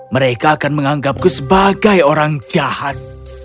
mereka akan menganggapku sebagai orang jahat